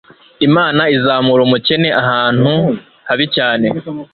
Imana izamura umukene ahantu habi cyane